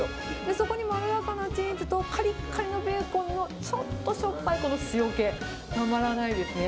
そこにまろやかなチーズと、かりかりのベーコンのちょっとしょっぱいこの塩気、たまらないですね。